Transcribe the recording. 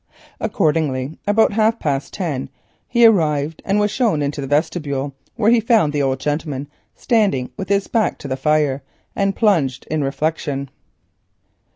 Accordingly, at half past ten o'clock, he arrived and was shown into the vestibule, where he found the old gentleman standing with his back to the fire and plunged in reflection.